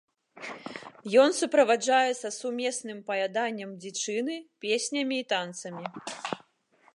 Ён суправаджаецца сумесным паяданнем дзічыны, песнямі і танцамі.